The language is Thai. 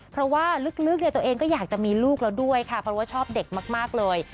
เพราะว่าลึกเนี่ยตัวเองก็อยากจะมีลูกแล้วด้วยค่ะเพราะว่าชอบเด็กมากเลย